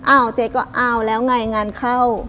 เจ๊ก็อ้าวแล้วไงงานเข้า